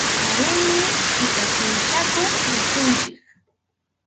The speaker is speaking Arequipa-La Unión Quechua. Paqarinmi kʼita quwi chakuq risunchik.